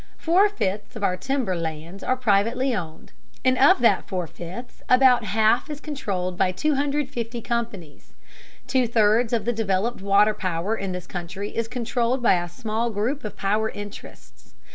Four fifths of our timber lands are privately owned, and of that four fifths about half is controlled by 250 companies. Two thirds of the developed water power in this country is controlled by a small group of power interests.